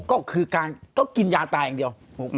ก็กินยาตายอย่างเดียว